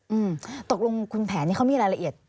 อืมตกลงคุณแผนนี่เขามีรายละเอียด